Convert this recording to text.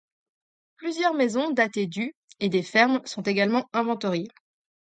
Plusieurs maisons datées du et des fermes sont également inventoriées.